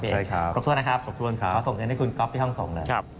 พี่เอ๋รอบทวนนะครับขอส่งเงินให้คุณก๊อบที่ห้องส่งนะครับ